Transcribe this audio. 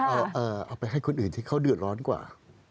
เอาไปให้คนอื่นที่เขาเดือดร้อนกว่า